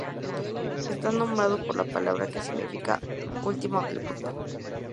Está nombrado por la palabra que significa "último de un grupo".